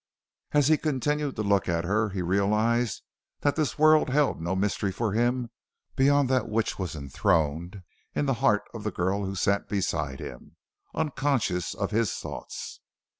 And as he continued to look at her he realized that this world held no mystery for him beyond that which was enthroned in the heart of the girl who sat beside him, unconscious of his thoughts.